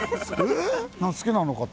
好きなのか？